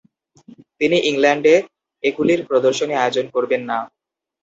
তিনি ইংল্যান্ডে এগুলির প্রদর্শনী আয়োজন করবেন না।